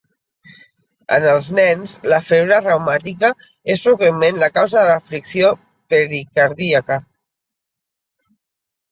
En els nens, la febre reumàtica és freqüentment la causa de la fricció pericardíaca.